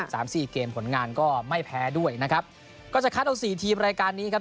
สามสี่เกมผลงานก็ไม่แพ้ด้วยนะครับก็จะคัดเอาสี่ทีมรายการนี้ครับ